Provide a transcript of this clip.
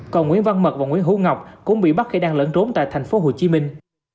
còn nguyễn văn mật và nguyễn hữu ngọc cũng bị bắt khi đang lẫn trốn tại thành phố hồ chí minh